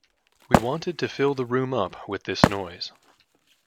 We wanted to fill the room up with this noise.